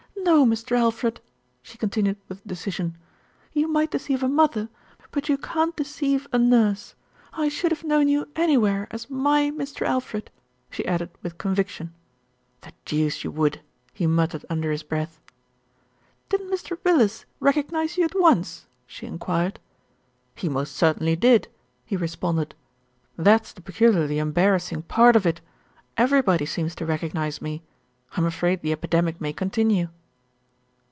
No, Mr. Alfred," she continued with decision, "you might deceive a mother; but you can't deceive a nurse. I should have known you anywhere as my Mr. Alfred," she added with conviction. "The deuce you would!" he muttered under his breath. "Didn't Mr. Willis recognise you at once?" she en quired. "He most certainly did," he responded. "That's the peculiarly embarrassing part of it. Everybody seems to recognise me. I'm afraid the epidemic may continue."